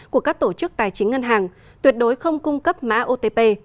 của các tổ chức tài chính ngân hàng tuyệt đối không cung cấp mã otp